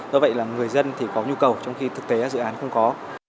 do vậy là người dân thì có nhu cầu trong khi thực tế dự án không có